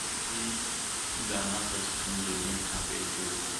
زلفي دانه، دانه پر سپين جبين هغې جوړي کړې,